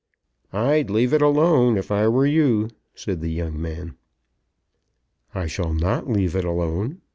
"I'd leave it alone if I were you," said the young man. "I shall not leave it alone.